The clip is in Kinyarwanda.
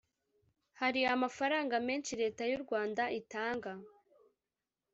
Hari amafaranga menshi leta y’u Rwanda itanga